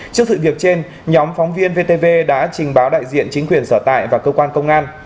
trước sự việc trên nhóm phóng viên vtv đã trình báo đại diện chính quyền sở tại và cơ quan công an